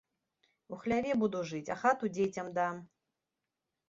У хляве буду жыць, а хату дзецям дам!